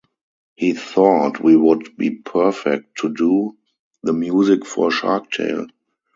He thought we would be perfect to do the music for Shark Tale.